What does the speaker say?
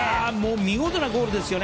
見事なゴールですよね。